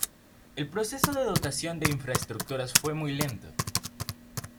El proceso de dotación de infraestructuras fue muy lento.